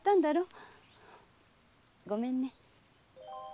ごめんね。